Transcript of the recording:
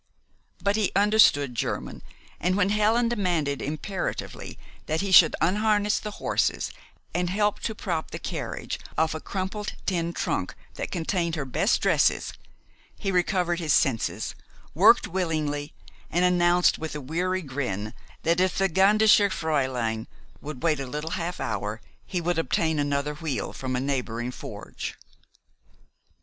But he understood German, and when Helen demanded imperatively that he should unharness the horses, and help to prop the carriage off a crumpled tin trunk that contained her best dresses, he recovered his senses, worked willingly, and announced with a weary grin that if the gnädische fräulein would wait a little half hour he would obtain another wheel from a neighboring forge.